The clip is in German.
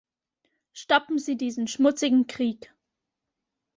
Stoppen Sie diesen schmutzigen Krieg!